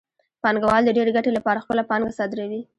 پانګوال د ډېرې ګټې لپاره خپله پانګه صادروي